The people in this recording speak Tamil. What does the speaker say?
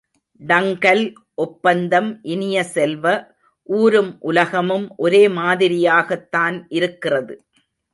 டங்கல் ஒப்பந்தம் இனிய செல்வ, ஊரும் உலகமும் ஒரே மாதிரியாகத்தான் இருக்கிறது.